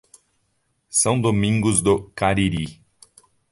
São Domingos do Cariri